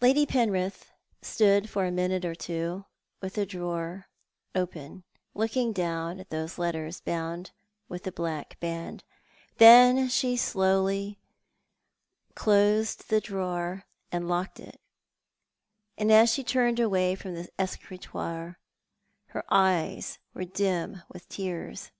Lady Penrith stood for a minute or so with the drawer open, looking down at those letters bound with the black band ; the n she slowly closed the drawer and locked it, and as she turned away from the escritoire her eyes were dim with tears.